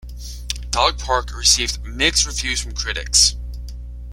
Dog Park received mixed reviews from critics.